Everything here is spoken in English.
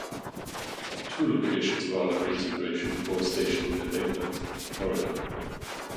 Two locations were under consideration for a station near Lakeland, Florida.